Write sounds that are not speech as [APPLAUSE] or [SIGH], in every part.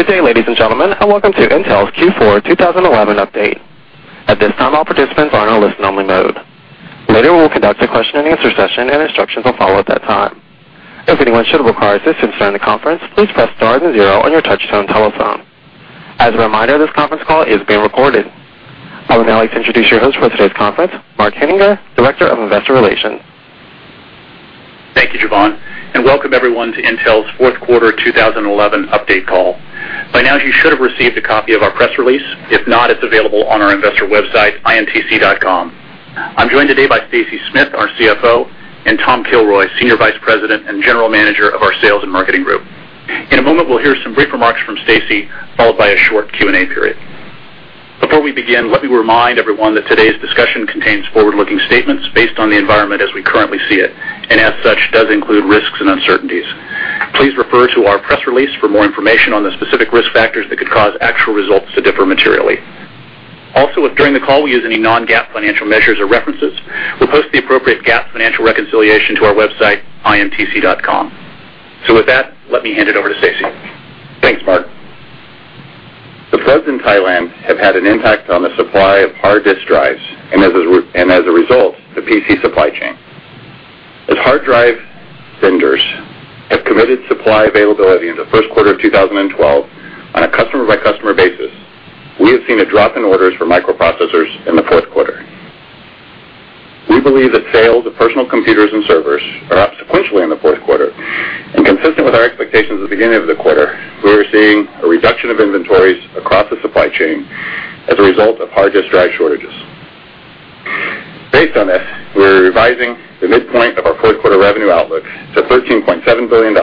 Good day, ladies and gentlemen, and welcome to Intel's Q4 2011 Update. At this time, all participants are in a listen-only mode. Later, we will conduct a question-and-answer session, and instructions will follow at that time. If anyone should require assistance during the conference, please press star and zero on your touch-tone telephone. As a reminder, this conference call is being recorded. I would now like to introduce your host for today's conference, Mark Henninger, Director of Investor Relations. Thank you, Javon, and welcome everyone to Intel's Fourth Quarter 2011 Update Call. By now, you should have received a copy of our press release. If not, it's available on our investor website, intc.com. I'm joined today by Stacy Smith, our CFO, and Tom Kilroy, Senior Vice President and General Manager of our Sales and Marketing Group. In a moment, we'll hear some brief remarks from Stacy, followed by a short Q&A period. Before we begin, let me remind everyone that today's discussion contains forward-looking statements based on the environment as we currently see it, and as such, does include risks and uncertainties. Please refer to our press release for more information on the specific risk factors that could cause actual results to differ materially. Also, if during the call we use any non-GAAP financial measures or references, we'll post the appropriate GAAP financial reconciliation to our website, intc.com. With that, let me hand it over to Stacy. Thanks, Mark. The floods in Thailand have had an impact on the supply of hard disk drives, and as a result, the PC supply chain. As hard disk drive vendors have committed supply availability in the first quarter of 2012 on a customer-by-customer basis, we have seen a drop in orders for microprocessors in the fourth quarter. We believe that sales of personal computers and servers are up substantially in the fourth quarter. Consistent with our expectations at the beginning of the quarter, we are seeing a reduction of inventories across the supply chain as a result of hard disk drive shortages. Based on this, we're revising the midpoint of our fourth quarter revenue outlook to $13.7 billion,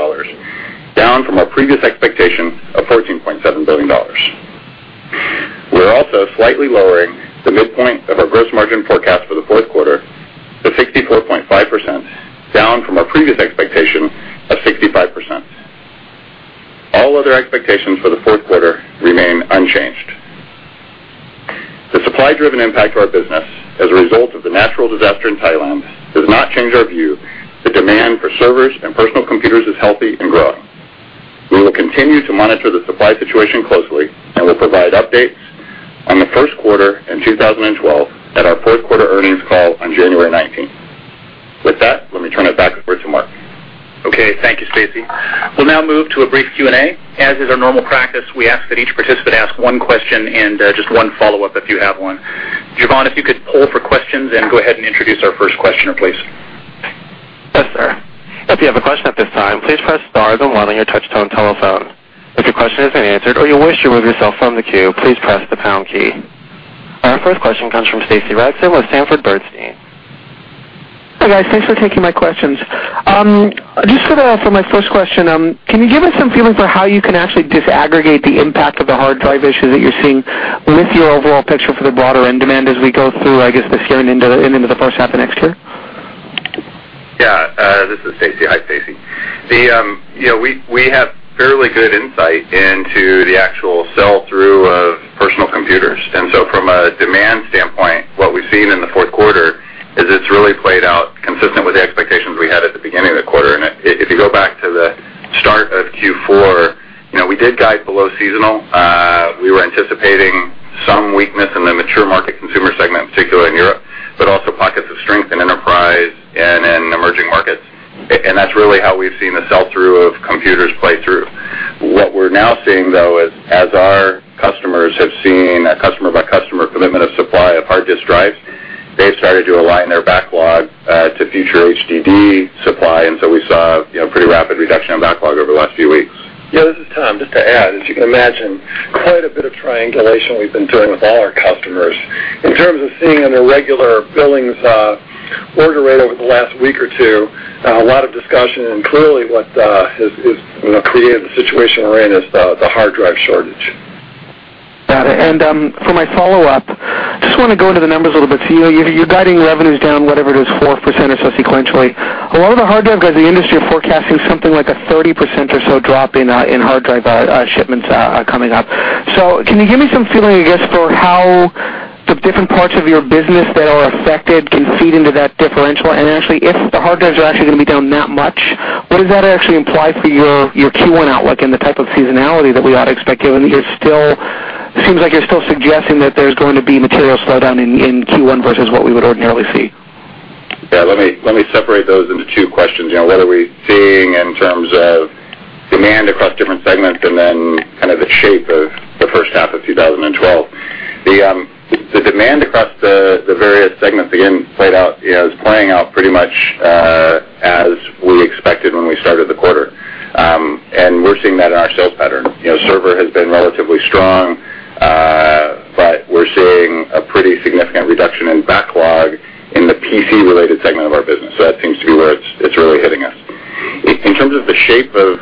down from our previous expectation of $14.7 billion. We're also slightly lowering the midpoint of our gross margin forecast for the fourth quarter to 64.5%, down from our previous expectation of 65%. All other expectations for the fourth quarter remain unchanged. The supply-driven impact of our business as a result of the natural disaster in Thailand does not change our view that demand for servers and personal computers is healthy and growing. We will continue to monitor the supply situation closely, and we'll provide updates on the first quarter in 2012 at our fourth quarter earnings call on January 19. With that, let me turn it back over to Mark. Okay, thank you, Stacy. We'll now move to a brief Q&A. As is our normal practice, we ask that each participant ask one question and just one follow-up if you have one. Javon, if you could pull up our questions and go ahead and introduce our first questioner, please. Yes, sir. If you have a question at this time, please press star and one on your touch-tone telephone. If your question has been answered or you wish to remove yourself from the queue, please press the pound key. Our first question comes from Stacy Rasgon with [INAUDIBLE] Bernstein. All right, thanks for taking my questions. Just to go off on my first question, can you give us some feelings about how you can actually disaggregate the impact of the hard disk drive issues that you're seeing with your overall picture for the broader end demand as we go through, I guess, this year and into the end of the first half of next year? Yeah, this is Stacy. Hi, Stacy. We have fairly good insight into the actual sell-through of personal computers. From a demand standpoint, what we've seen in the fourth quarter is it's really played out consistent with the expectations we had at the beginning of the quarter. If you go back to the start of Q4, we did guide below seasonal. We were anticipating some weakness in the mature market consumer segment, particularly in Europe, but also pockets of strength in enterprise and in emerging markets. That's really how we've seen the sell-through of computers play through. What we're now seeing, though, is as our customers have seen a customer-by-customer limit of supply of hard disk drives, they've started to align their backlog to future HDD supply. We saw a pretty rapid reduction in backlog over the last few weeks. Yeah, this is Tom. Just to add, as you can imagine, quite a bit of triangulation we've been doing with all our customers in terms of seeing an irregular billings order rate over the last week or two. A lot of discussion, and clearly what has created the situation we're in is the hard disk drive shortage. Got it. For my follow-up, I just want to go into the numbers a little bit. You're guiding revenues down, whatever it is, 4% or so sequentially. A lot of the hard disk drives, as the industry is forecasting, something like a 30% or so drop in hard disk drive shipments coming up. Can you give me some feeling, I guess, for how the different parts of your business that are affected can feed into that differential? If the hard disk drives are actually going to be down that much, what does that actually imply for your Q1 outlook and the type of seasonality that we ought to expect, given that it seems like you're still suggesting that there's going to be material slowdown in Q1 versus what we would ordinarily see? Let me separate those into two questions. Whether we're seeing in terms of demand across different segments and then kind of the shape of the first half of 2012, the demand across the various segments, again, played out, is playing out pretty much as we expected when we started the quarter. We're seeing that in our sales pattern. Server has been relatively strong, but we're seeing a pretty significant reduction in backlog in the PC-related segment of our business. That seems to be where it's really hitting us. In terms of the shape of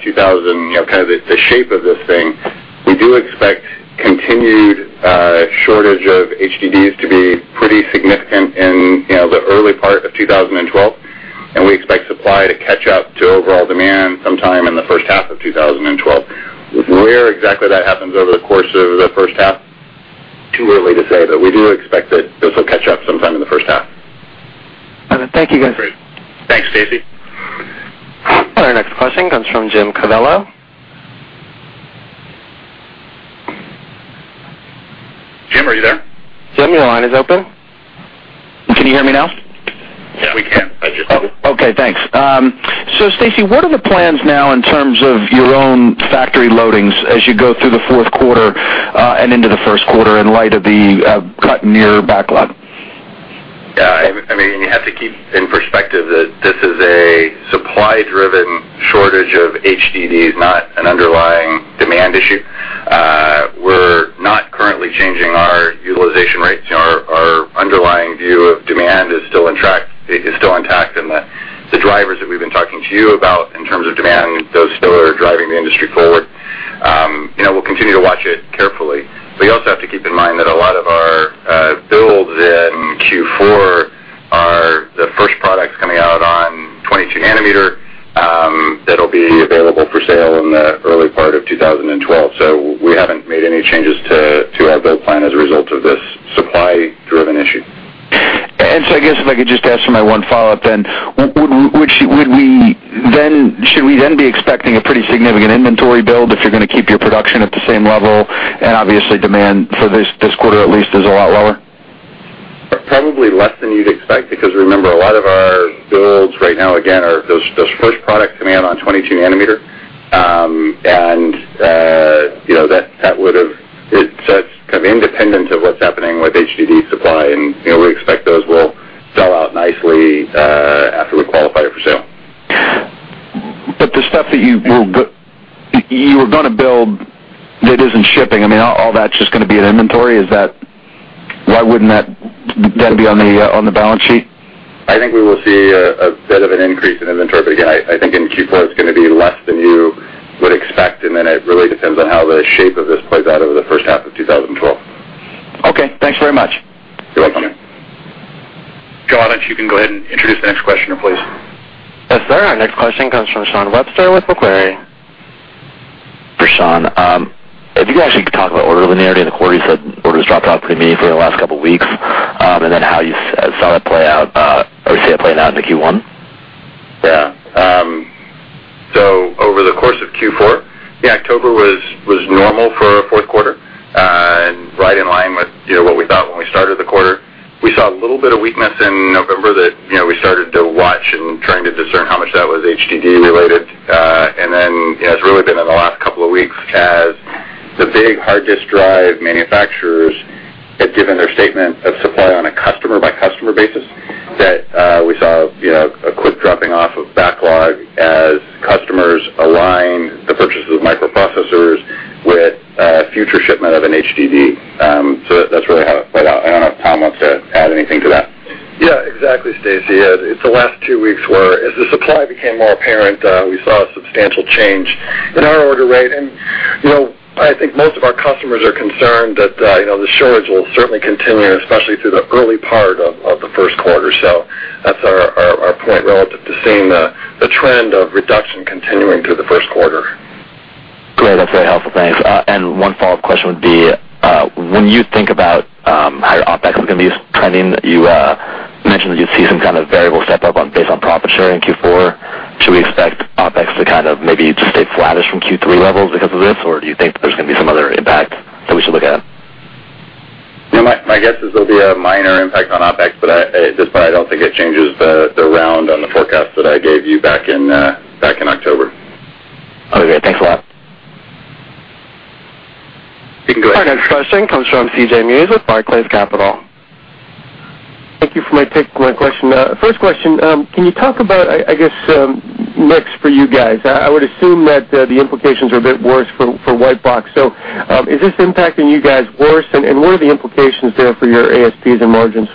2012, kind of the shape of this thing, we do expect continued shortage of HDDs to be pretty significant in the early part of 2012. We expect supply to catch up to overall demand sometime in the first half of 2012. Where exactly that happens over the course of the first half, it's too early to say, but we do expect that it'll catch up sometime in the first half. All right, thank you again. Great. Thanks, Stacy. Our next question comes from Jim Covello. Jim, are you there? Jim, your line is open. Can you hear me now? Yeah, we can. Okay, thanks. Stacy, what are the plans now in terms of your own factory loadings as you go through the fourth quarter and into the first quarter in light of the cut in your backlog? I mean, you have to keep in perspective that this is a supply-driven shortage of HDDs, not an underlying demand issue. We're not currently changing our utilization rates. Our underlying view of demand is still intact, and the drivers that we've been talking to you about in terms of demand, those still are driving the industry forward. We will continue to watch it carefully. You also have to keep in mind that a lot of our builds in Q4 are the first products coming out on 22 nm that will be available for sale in the early part of 2012. We haven't made any changes to our build plan as a result of this supply-driven issue. If I could just ask for my one follow-up, should we then be expecting a pretty significant inventory build if you're going to keep your production at the same level and obviously demand for this quarter at least is a lot lower? Probably less than you'd expect because remember, a lot of our builds right now are those first products coming out on 22 nm. You know, that would have, so that's kind of independent of what's happening with HDD supply. We expect those will sell out nicely after we qualify it for sale. The stuff that you were going to build that isn't shipping, all that's just going to be in inventory. Wouldn't that then be on the balance sheet? I think we will see a bit of an increase in inventory, but again, I think in Q4 it's going to be less than you would expect. It really depends on how the shape of this plays out over the first half of 2012. Okay, thanks very much. You're welcome. Go on, you can go ahead and introduce the next questioner, please. That's all right. Next question comes from Sean Webster with Macquarie. [Thanks, Sean]. If you could actually talk about order linearity in the quarter, you said orders dropped off pretty meaningfully in the last couple of weeks. How you saw that play out, or you say it played out in the Q1? Yeah. Over the course of Q4, October was normal for a fourth quarter and right in line with what we thought when we started the quarter. We saw a little bit of weakness in November that we started to watch and tried to discern how much that was HDD-related. It's really been in the last couple of weeks as the big hard disk drive manufacturers have given their statement of supply on a customer-by-customer basis that we saw a dropping off of backlog as customers aligned the purchases of microprocessors with future shipment of an HDD. That's really how it played out. I don't know if Tom wants to add anything to that. Yeah, exactly, Stacy. It's the last two weeks where as the supply became more apparent, we saw a substantial change in our order rate. I think most of our customers are concerned that the shortage will certainly continue, especially through the early part of the first quarter. That's our point relative to seeing the trend of reduction continuing through the first quarter. Great, that's very helpful, thanks. One follow-up question would be, when you think about how OpEx is going to be pending, you mentioned that you'd see some kind of variable step up based on profit sharing in Q4. Do we expect OpEx to kind of maybe be flatter from Q3 levels because of this, or do you think there's going to be some other impact that we should look at? My guess is there'll be a minor impact on OpEx, but I don't think it changes the round on the forecast that I gave you back in October. Okay, great, thanks for that. You can go ahead. Our next question comes from C.J. Muse with Barclays Capital. Thank you for my question. First question, can you talk about, I guess, MIPS for you guys? I would assume that the implications are a bit worse for White Box. Is this impacting you guys worse, and what are the implications there for your ASPs and margins?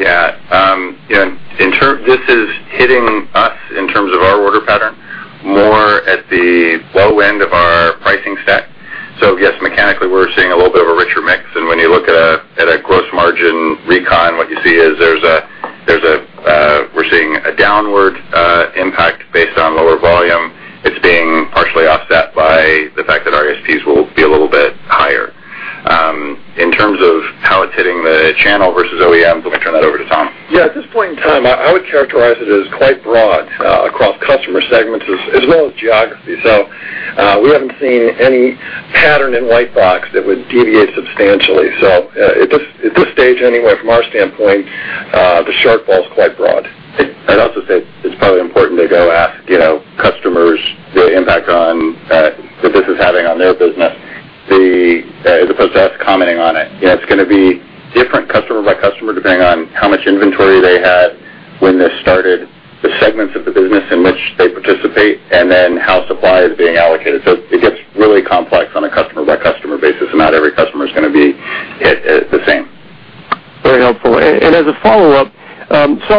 Yeah, you know, this is hitting us in terms of our order pattern more at the low end of our pricing set. Yes, mechanically, we're seeing a little bit of a richer mix. When you look at a gross margin recon, what you see is there's a, we're seeing a downward impact based on lower volume. It's being partially offset by the fact that our ASPs will be a little bit higher. In terms of how it's hitting the channel versus OEMs, let me turn that over to Tom. At this point in time, I would characterize it as quite broad across customer segments as well as geography. We haven't seen any pattern in White Box that would deviate substantially. At this stage anyway, from our standpoint, the shark bowl is quite broad.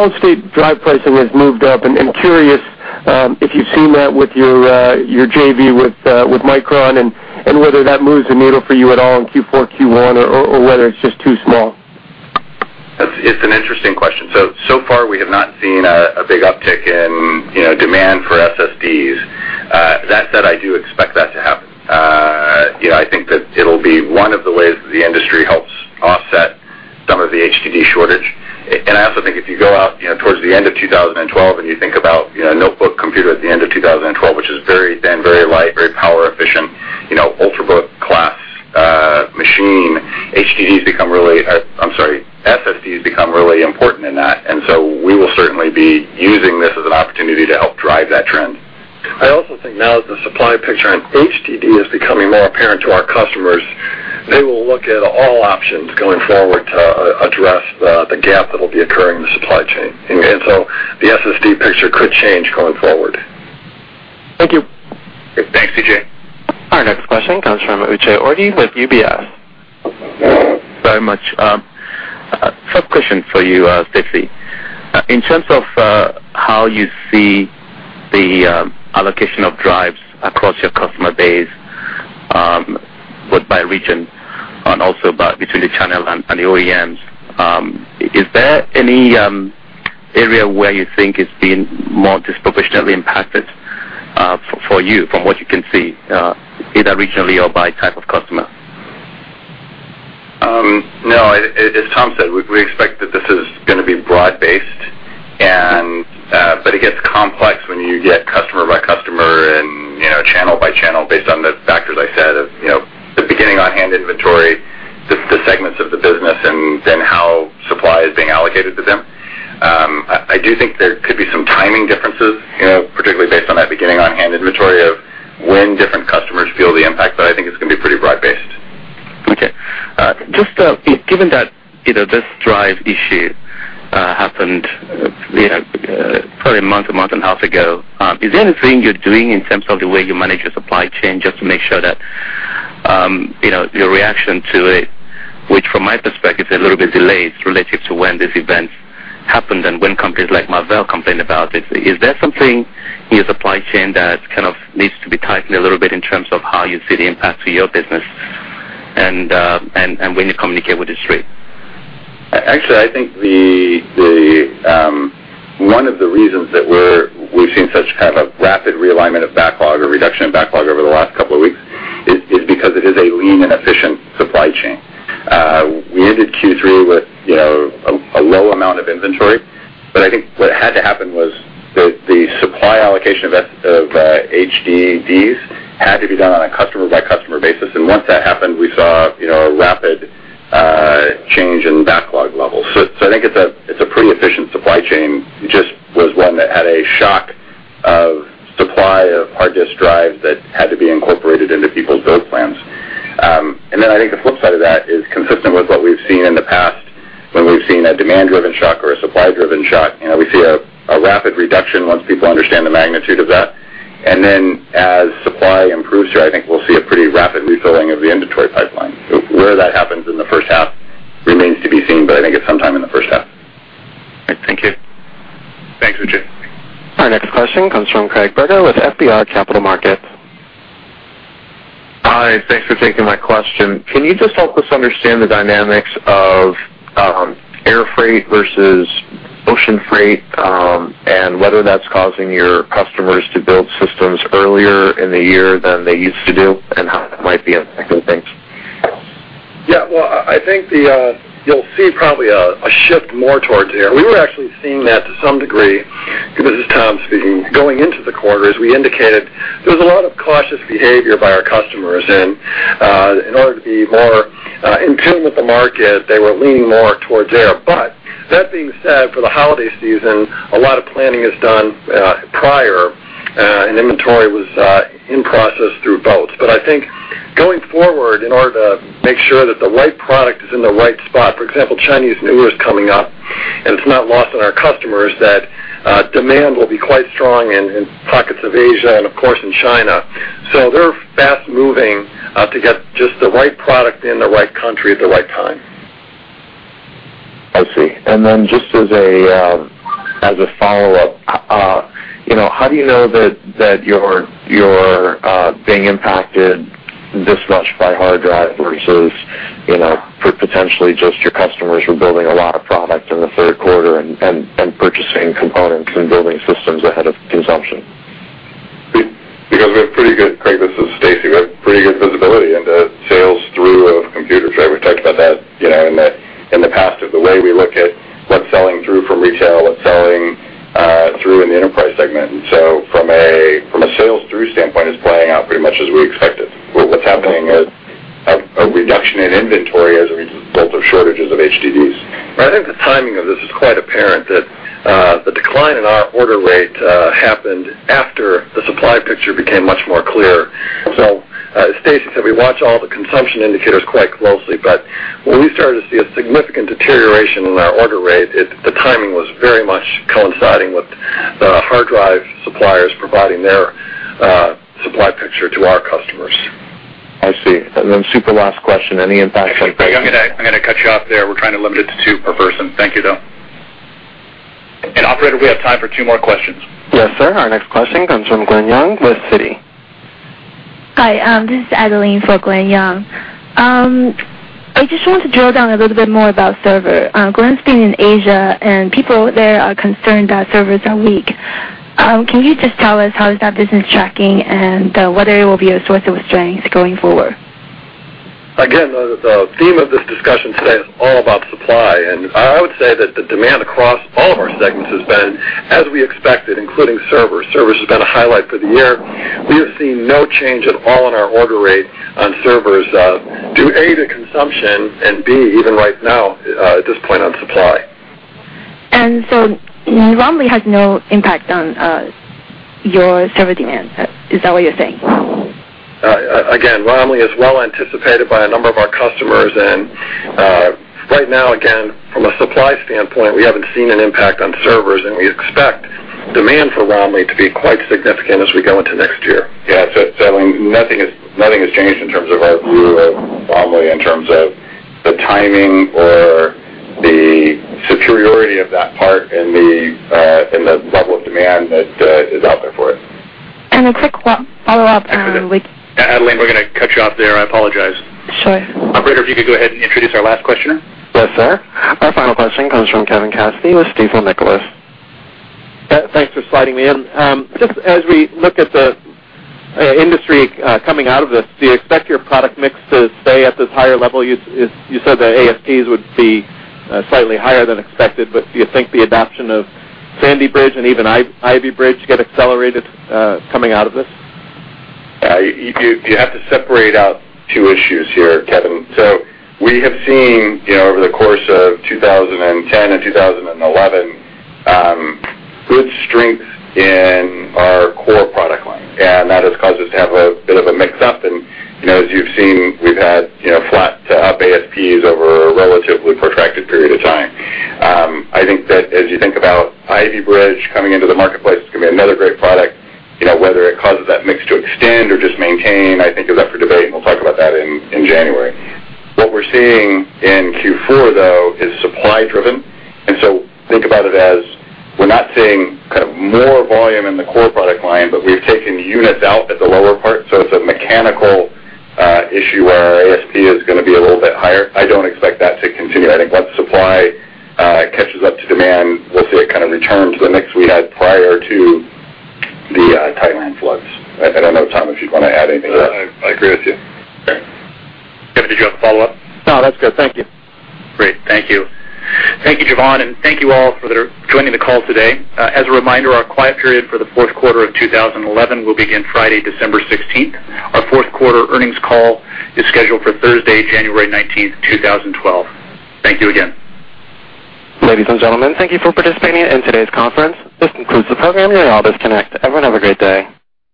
I'd also say it's probably important to go ask customers the impact on the business having on their business. The folks that's commenting on it, it's going to be different customer by customer depending on how much inventory they had when they started, the segments of the business in which they participate, and then how supply is being allocated. It gets really complex on a customer-by-customer basis. Not every customer is going to be the same. Very helpful. As a follow-up, solid-state drive pricing has moved up. Curious if you've seen that with your JV with Micron and whether that moves the needle for you at all in Q4, Q1, or whether it's just too small. It's an interesting question. So far, we have not seen a big uptick in demand for SSDs. That said, I do expect that to happen. I think that it'll be one of the ways that the industry helps offset some of the HDD shortage. I also think if you go out towards the end of 2012 and you think about a notebook computer at the end of 2012, which is very thin, very light, very power-efficient, you know, ultrabook class machine, HDDs become really, I'm sorry, SSDs become really important in that. We will certainly be using this as an opportunity to help drive that trend. I also think now that the supply picture on HDDs is becoming more apparent to our customers, they will look at all options going forward to address the gap that will be occurring in the supply chain. The SSD picture could change going forward. Thank you. Thanks, C.J. Our next question comes from Uche Orji with UBS. Very much. A sub-question for you, Stacy. In terms of how you see the allocation of drives across your customer base, both by region and also between the channel and the OEMs, is there any area where you think it's being more disproportionately impacted for you from what you can see, either regionally or by type of customer? No, as Tom said, we expect that this is going to be broad-based. It gets complex when you get customer by customer and channel by channel based on the factors I said of beginning on hand inventory, the segments of the business, and then how supply is being allocated to them. I do think there could be some timing differences, particularly based on that beginning on hand inventory of when different customers feel the impact. I think it's going to be pretty broad-based. Okay. Just given that this drive issue happened probably a month, a month and a half ago, is there anything you're doing in terms of the way you manage your supply chain just to make sure that your reaction to it, which from my perspective is a little bit delayed relative to when these events happened and when companies like Marvell complained about it, is there something in your supply chain that kind of needs to be tightened a little bit in terms of how you see the impact to your business and when you communicate with the street? Actually, I think one of the reasons that we've seen such kind of rapid realignment of backlog or reduction of backlog over the last couple of weeks is because it is a lean and efficient supply chain. We ended Q3 with a low amount of inventory. I think what had to happen was that the supply allocation of HDDs had to be done on a customer-by-customer basis. Once that happened, we saw a rapid change in backlog levels. I think it's a pretty efficient supply chain. It just was one that had a shock of supply of hard disk drives that had to be incorporated into people's build plans. I think the flip side of that is consistent with what we've seen in the past when we've seen a demand-driven shock or a supply-driven shock. We see a rapid reduction once people understand the magnitude of that. As supply improves here, I think we'll see a pretty rapid refilling of the inventory pipeline. Where that happens in the first half remains to be seen, but I think it's sometime in the first half. Thank you. Thanks, Uche. Our next question comes from [INAUDIBLE] with SBI Capital Markets. Hi, thanks for taking my question. Can you just help us understand the dynamics of air freight versus ocean freight and whether that's causing your customers to build systems earlier in the year than they used to do and how that might be impacting things? I think you'll see probably a shift more towards air. We were actually seeing that to some degree, because, this is Tom speaking, going into the quarter as we indicated, there was a lot of cautious behavior by our customers. In order to be more in tune with the market, they were leaning more towards air. That being said, for the holiday season, a lot of planning is done prior, and inventory was in process through both. I think going forward, in order to make sure that the right product is in the right spot, for example, Chinese New Year's coming up, and it's not lost on our customers that demand will be quite strong in pockets of Asia and, of course, in China. They're fast moving to get just the right product in the right country at the right time. I see. Just as a follow-up, you know, how do you know that you're being impacted in this rush by hard drives versus potentially just your customers who are building a lot of product in the third quarter and purchasing components and building systems ahead of consumption? You know, we have pretty good, this is Stacy, we have pretty good visibility into sales through a computer frame. We talked about that in the past, the way we look at what's selling through from retail, what's selling through in the enterprise segment. From a sales through standpoint, it's playing out pretty much as we expected. What's happening is a reduction in inventory as a result of shortages of HDDs. I think the timing of this is quite apparent that the decline in our order rate happened after the supply picture became much more clear. As Stacy said, we watch all the consumption indicators quite closely, but when we started to see a significant deterioration in our order rate, the timing was very much coinciding with the hard drive suppliers providing their supply picture to our customers. I see. Super last question, any impacts on... I'm going to cut you off there. We're trying to limit it to two per person. Thank you, though. Operator, we have time for two more questions. Yes, sir. Our next question comes from Glen Yeung with Citi. Hi, this is Evelyn for Glen Yeung. I just wanted to drill down a little bit more about server. Glen's been in Asia, and people there are concerned that servers are weak. Can you just tell us how is that business tracking and whether it will be a source of a strength going forward? Again, the theme of this discussion today is all about supply. I would say that the demand across all of our segments has been as we expected, including servers. Servers has been a highlight for the year. We have seen no change at all in our order rate on servers, A, to consumption, and B, even right now at this point on supply. You know, Romley has no impact on your server demands. Is that what you're saying? Again, Romley is well anticipated by a number of our customers. Right now, from a supply standpoint, we haven't seen an impact on servers. We expect demand for Romley to be quite significant as we go into next year. Yeah, so nothing has changed in terms of our view of Romley in terms of the timing or the superiority of that part and the level of demand that is out there for it. A quick follow-up, like... I'll cut you off there. I apologize. Sure. Operator, if you could go ahead and introduce our last questioner. Our final question comes from Kevin Cassidy with Stifel, Nicolaus. Thanks for sliding me in. Just as we look at the industry coming out of this, do you expect your product mix to stay at this higher level? You said the ASPs would see slightly higher than expected, but do you think the adoption of Sandy Bridge and even Ivy Bridge get accelerated coming out of this? You have to separate out two issues here, Kevin. We have seen, over the course of 2010 and 2011, good strength in our core product line. That has caused us to have a bit of a mix-up. As you've seen, we've had flat to up ASPs over a relatively protracted period of time. I think that as you think about Ivy Bridge coming into the marketplace, it's going to be another great product. Whether it causes that mix to extend or just maintain, I think is up for debate. We'll talk about that in January. What we're seeing in Q4, though, is supply-driven. Think about it as we're not seeing kind of more volume in the core product line, but we've taken units out at the lower part. It's a mechanical issue where our ASP is going to be